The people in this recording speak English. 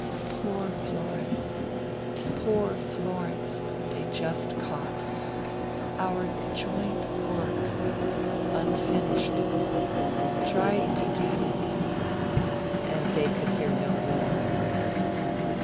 'Poor Florence! Poor Florence!' they just caught.' ... Our joint work ... unfinished ... tried to do ...' and they could hear no more.